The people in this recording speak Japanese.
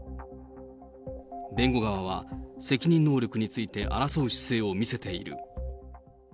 弁護側は、責任能力について争う姿勢を見せている。